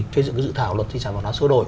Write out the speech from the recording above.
phê dựng dự thảo luật chỉ sản văn hóa sửa đổi